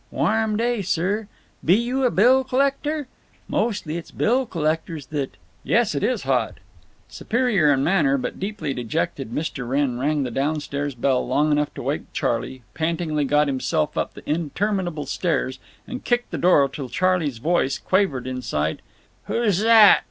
Warm day, sir. Be you a bill collector? Mostly, it's bill collectors that—" "Yes, it is hot." Superior in manner, but deeply dejected, Mr. Wrenn rang the down stairs bell long enough to wake Charley, pantingly got himself up the interminable stairs, and kicked the door till Charley's voice quavered inside: "Who zhat?"